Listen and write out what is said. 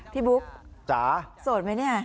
พี่บุ๊กโสดไหมเนี่ยจ้า